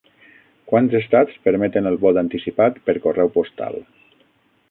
Quants estats permeten el vot anticipat per correu postal?